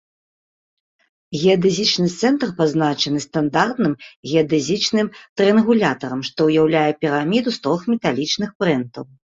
Геадэзічны цэнтр пазначаны стандартным геадэзічным трыянгулятарам, што ўяўляе піраміду з трох металічных прэнтаў.